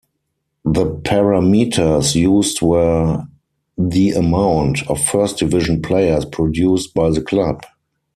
The parameters used were the amount of first division players produced by the club.